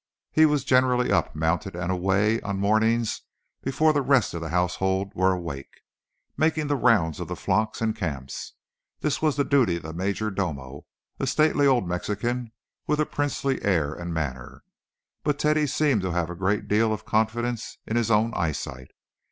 He was generally up, mounted, and away of mornings before the rest of the household were awake, making the rounds of the flocks and camps. This was the duty of the major domo, a stately old Mexican with a princely air and manner, but Teddy seemed to have a great deal of confidence in his own eyesight.